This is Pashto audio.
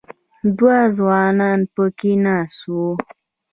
دوه ځوانان په کې ناست وو.